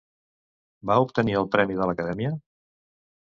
Va obtenir el premi de l'Acadèmia?